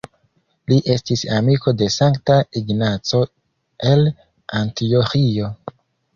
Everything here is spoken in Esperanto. Li estis amiko de Sankta Ignaco el Antioĥio.